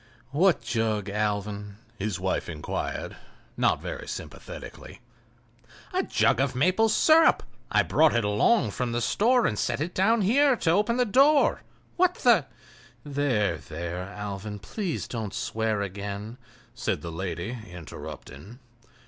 "What jug, Alvan?" his wife inquired, not very sympathetically. "A jug of maple sirup—I brought it along from the store and set it down here to open the door. What the—" "There, there, Alvan, please don't swear again," said the lady, interrupting.